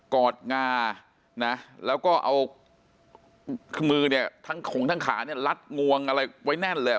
กอดงานะแล้วก็เอามือเนี่ยของทางขาเนี่ยรัดงวงอะไรไว้แน่นเลย